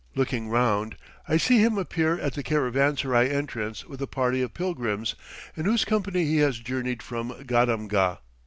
Looking round, I see him appear at the caravanserai entrance with a party of pilgrims, in whose company he has journeyed from Gadamgah.